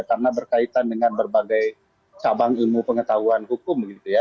karena berkaitan dengan berbagai cabang ilmu pengetahuan hukum